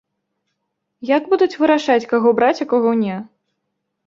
Як будуць вырашаць, каго браць, а каго не?